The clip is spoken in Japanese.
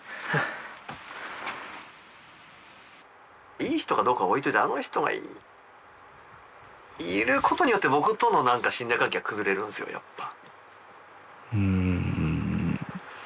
いい人かどうかは置いといてあの人がいることによって僕との信頼関係が崩れるんですよやっぱ。